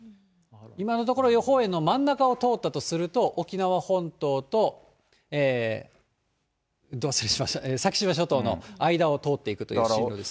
今のところ、予報円の真ん中を通ったとすると、沖縄本島と先島諸島の間を通っていくという進路です。